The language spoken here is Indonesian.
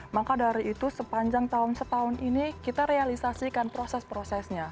maka dari itu sepanjang tahun setahun ini kita realisasikan proses prosesnya